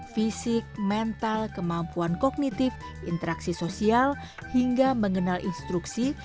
fisik mental kemampuan kognitif interaksi sosial hingga mengenal instruksi